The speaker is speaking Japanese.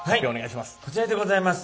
こちらでございます。